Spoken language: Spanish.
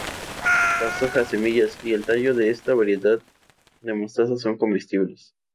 Las hojas, semillas y el tallo de esta variedad de mostaza son comestibles.